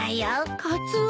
カツオ。